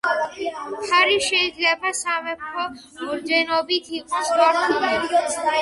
ფარი შეიძლება სამეფო ორდენებით იყოს მორთული.